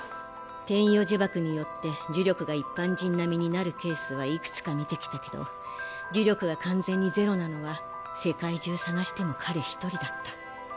天与呪縛によって呪力が一般人並みになるケースはいくつか見てきたけど呪力が完全にゼロなのは世界中探しても彼一人だった。